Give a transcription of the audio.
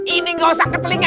ini nggak usah ke telinga